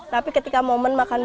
tapi ketika momen makan